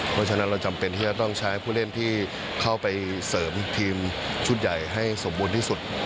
เพราะฉะนั้นเราจำเป็นที่จะต้องใช้ผู้เล่นที่เข้าไปเสริมทีมชุดใหญ่ให้สมบูรณ์ที่สุด